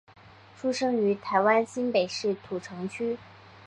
出生于台湾新北市土城区。